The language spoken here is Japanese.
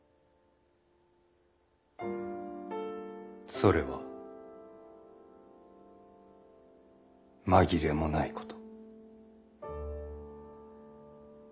それは紛れもないこと。